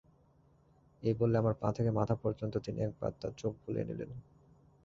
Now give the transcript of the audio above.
এই বলে আমার পা থেকে মাথা পর্যন্ত তিনি একবার তাঁর চোখ বুলিয়ে নিলেন।